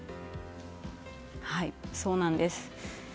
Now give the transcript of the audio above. そうなんです。